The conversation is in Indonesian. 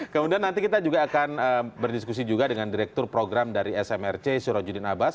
kemudian nanti kita juga akan berdiskusi juga dengan direktur program dari smrc surojudin abbas